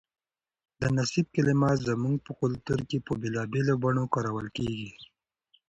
د نصیب کلمه زموږ په کلتور کې په بېلابېلو بڼو کارول کېږي.